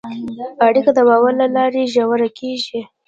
اړیکه د باور له لارې ژوره کېږي.